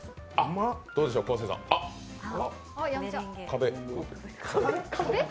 どうでしょう、昴生さんおっ、壁。